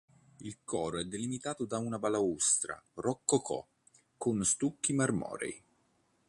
Il coro è delimitato da una balaustra rococò con stucchi marmorei.